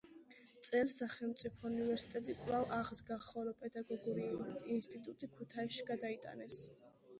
წელს სახელმწიფო უნივერსიტეტი კვლავ აღდგა, ხოლო პედაგოგიური ინსტიტუტი ქუთაისში გადაიტანეს.